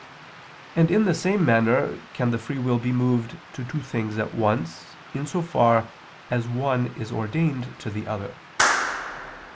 And in the same manner can the free will be moved to two things at once in so far as one is ordained to the other.